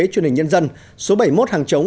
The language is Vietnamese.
truyền hình nhân dân số bảy mươi một hàng chống